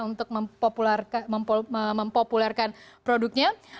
untuk mempopulerkan produknya